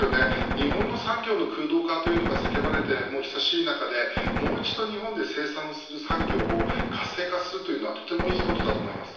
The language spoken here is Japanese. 日本の産業の空洞化というのが叫ばれて久しい中でもう一度日本で生産をする産業を活性化するというのはとてもいいことだと思います。